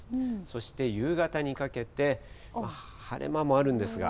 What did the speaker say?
そして夕方にかけて、晴れ間もあるんですが。